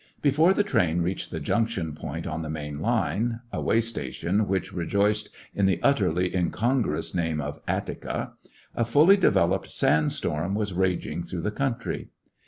Before the train reached the junction point on the main line, a way station which rejoiced in the utterly incongruous name of Attica, a fully developed sand storm was raging through the country.